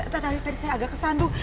tadi saya agak kesan tuh